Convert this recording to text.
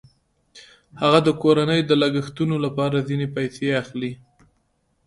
هغه د کورنۍ د لګښتونو لپاره هم ځینې پیسې اخلي